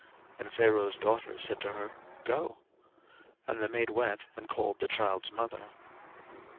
02:002:008 And Pharaoh's daughter said to her, Go. And the maid went and called the child's mother.